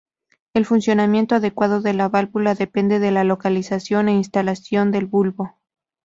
El funcionamiento adecuado de la válvula depende de la localización e instalación del bulbo.